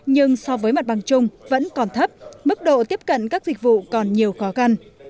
nhưng so với mặt bằng chung vẫn còn thấp mức độ tiếp cận các dịch vụ còn nhiều khó khăn